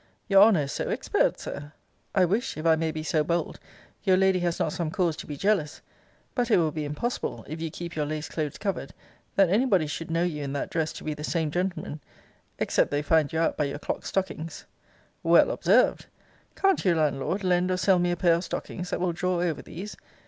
Your Honour is so expert, Sir! I wish, if I may be so bold, your lady has not some cause to be jealous. But it will be impossible, if you keep your laced clothes covered, that any body should know you in that dress to be the same gentleman except they find you out by your clocked stockings. Well observed Can't you, Landlord, lend or sell me a pair of stockings, that will draw over these?